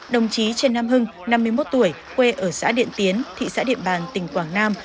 đồng chí trên nam hưng năm mươi một tuổi quê ở xã điện tiến thị xã điện bàn tỉnh quảng nam